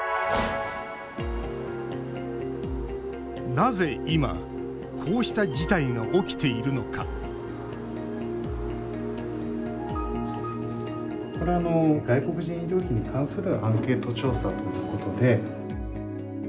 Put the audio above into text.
なぜ今こうした事態が起きているのかこれは外国人医療費に関するアンケート調査ということで。